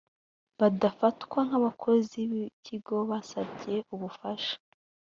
badafatwa nk abakozi b ikigo cyasabye ubufasha